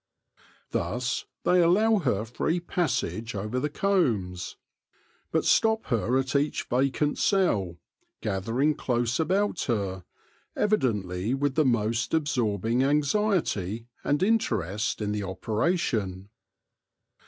Thus they allow her free passage over the combs, but stop her at each vacant cell, gathering close about her, evidently with the most absorbing anxiety and in terest in the operation.